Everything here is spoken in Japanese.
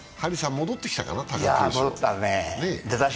戻ってきたかな、貴景勝。